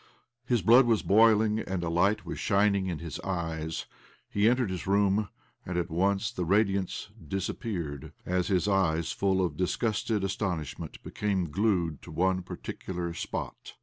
His blood was boiling, and a light was shining in his eyes. He entered his room — and at lOncei the radiance disappeared as his eyps, full of disgusted astonishment, became glued to one pjarticular spot.